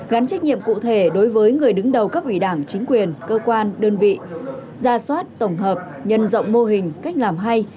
gắn trách nhiệm cụ thể đối với người đứng đầu cấp ủy đảng chính quyền cơ quan đơn vị ra soát tổng hợp nhân rộng mô hình cách làm hay